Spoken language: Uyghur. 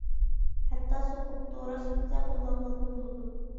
ھەتتا سوقۇپ، دورا سۈپىتىدە قوللانغىلىمۇ بولىدۇ.